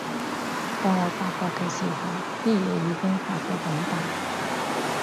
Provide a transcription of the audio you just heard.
到我發覺嘅時候，啲嘢已經發到咁大